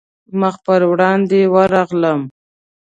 مخ پر وړاندې ورغلم.